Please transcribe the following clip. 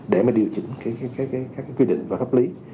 để điều chỉnh các quy định và pháp lý